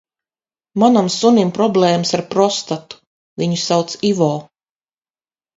Manam sunim problēmas ar prostatu, viņu sauc Ivo.